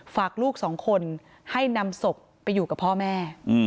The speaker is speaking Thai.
ฝากลูกสองคนให้นำศพไปอยู่กับพ่อแม่